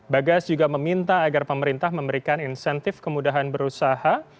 bagas juga meminta agar pemerintah memberikan insentif kemudahan berusaha